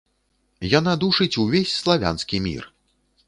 Яна душыць увесь славянскі мір.